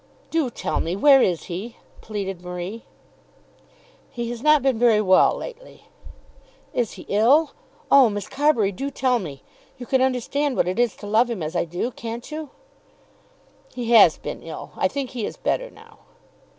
"Do tell me. Where is he?" pleaded Marie. "He has not been very well lately." "Is he ill? Oh, Miss Carbury, do tell me. You can understand what it is to love him as I do; can't you?" "He has been ill. I think he is better now."